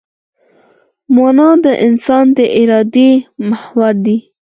مانا د انسان د ارادې محور دی.